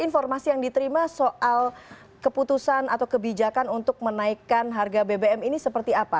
informasi yang diterima soal keputusan atau kebijakan untuk menaikkan harga bbm ini seperti apa